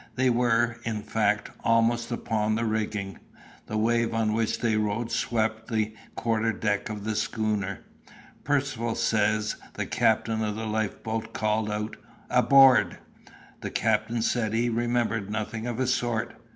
They were, in fact, almost upon the rigging. The wave on which they rode swept the quarter deck of the schooner. Percivale says the captain of the lifeboat called out "Aboard!" The captain said he remembered nothing of the sort.